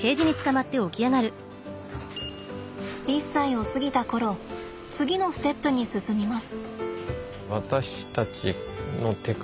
１歳を過ぎた頃次のステップに進みます。